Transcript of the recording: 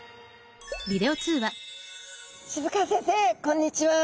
渋川先生こんにちは！